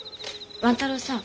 万太郎さん